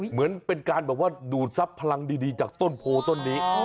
เหมือนเป็นการแบบว่าดูดทรัพย์พลังดีจากต้นโพต้นนี้